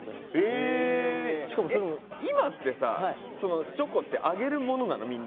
今ってさチョコってあげるものなの？